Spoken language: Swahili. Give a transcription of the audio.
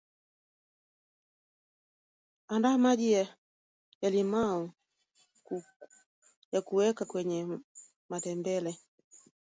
andaa Maji ya limao yakuweka kenye mtembele